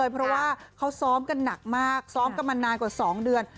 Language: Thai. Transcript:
เพราะว่าเขาซ้อมกันหนักมากซ้อมกันมานานกว่า๒เดือน